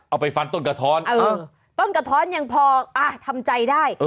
เอาไปฟันต้นกระท้อนเออต้นกระท้อนยังพอทำใจได้